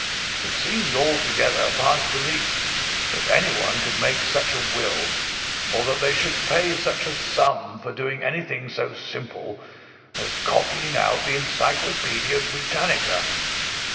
It seemed altogether past belief that anyone could make such a will, or that they would pay such a sum for doing anything so simple as copying out the Encyclopædia Britannica.